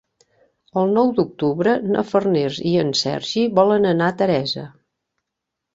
El nou d'octubre na Farners i en Sergi volen anar a Teresa.